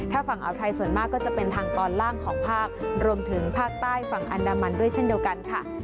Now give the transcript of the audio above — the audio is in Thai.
ถ้าฝั่งอ่าวไทยส่วนมากก็จะเป็นทางตอนล่างของภาครวมถึงภาคใต้ฝั่งอันดามันด้วยเช่นเดียวกันค่ะ